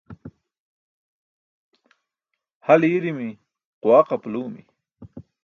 Hal i̇i̇ri̇mi̇, quwaq apalumi̇.